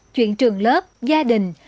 chuyện trường lớp gia đình